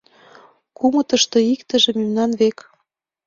Кумытышто иктыже мемнан век.